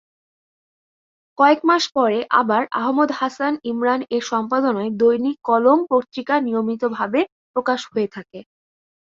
কয়েকমাস পরে আবার আহমদ হাসান ইমরান এর সম্পাদনায় দৈনিক কলম পত্রিকা নিয়মিত ভাবে প্রকাশ হতে থাকে।